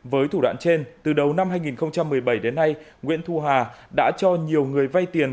với thủ đoạn trên từ đầu năm hai nghìn một mươi bảy đến nay nguyễn thu hà đã cho nhiều người vay tiền